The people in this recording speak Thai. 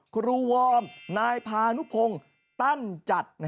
วอร์มนายพานุพงศ์ตั้นจัด